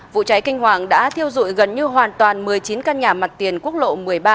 vụ cháy kinh hoàng đã thiêu dụi gần như hoàn toàn một mươi chín căn nhà mặt tiền quốc lộ một mươi ba